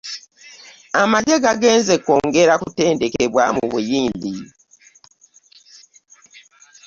Amagye ga genzze kwongera kutendekebwa mu buyindi.